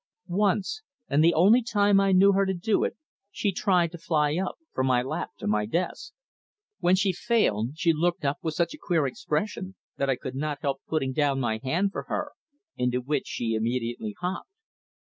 Once, and the only time I knew her to do it, she tried to fly up from my lap to the desk. When she failed she looked up with such a queer expression that I could not help putting down my hand for her, into which she immediately hopped.